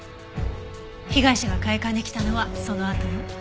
被害者が会館に来たのはそのあとよ。